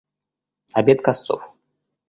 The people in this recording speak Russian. Обед косцов.